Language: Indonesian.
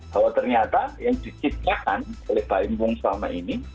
bahwa ternyata yang diciptakan oleh baim bung salma ini